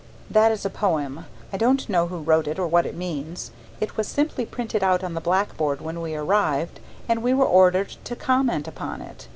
That is a poem. I don't know who wrote it or what it means. It was simply printed out on the blackboard when we arrived and we were ordered to comment upon it.